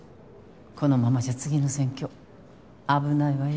このままじゃ次の選挙危ないわよ。